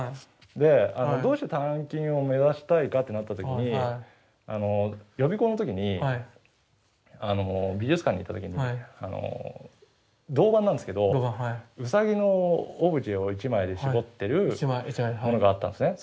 でどうして鍛金を目指したいかってなった時に予備校の時に美術館に行った時に銅板なんですけどウサギのオブジェを一枚で絞ってるものがあったんですね。